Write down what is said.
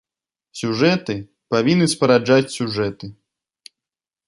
Сюжэты павінны спараджаць сюжэты.